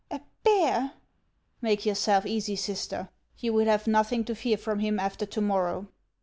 A bear !" "Make yourself easy, sister; you will have nothing to fear from him after to morrow.